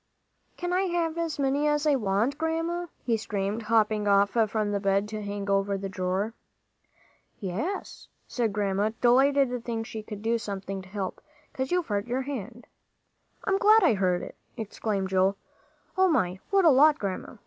"Can I have as many as I want, Grandma?" he screamed, hopping off from the bed to hang over the drawer. "Yes," said Grandma, delighted to think she could do something to help, "'cause you've hurt your hand." "I'm glad I hurt it!" exclaimed Joel. "O my! what a lot, Grandma!"